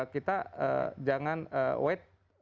kita jangan wait